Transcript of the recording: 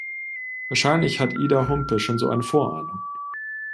Wahrscheinlich hat Ida Humpe schon so eine Vorahnung.